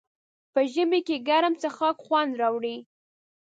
په ژمي کې ګرم څښاک خوند راوړي.